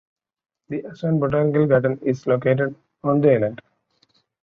The Aswan Botanical Garden is located on the island.